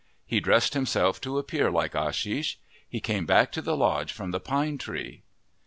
He dressed himself to appear like Ashish. He came back to the lodge from the pine tree.